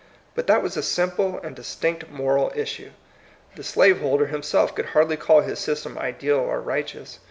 But that was a simple and distinct moral is sue. The slaveholder himself could hardly call his system ideal or righteous.